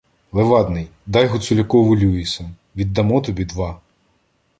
— Левадний, дай Гуцулякові "Люїса" — віддамо тобі два.